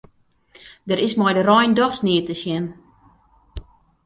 Der is mei dy rein dochs neat te sjen.